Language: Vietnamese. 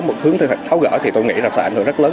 một hướng tháo gỡ thì tôi nghĩ là sẽ ảnh hưởng rất lớn